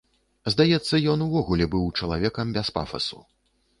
Здаецца, ён увогуле быў чалавекам без пафасу.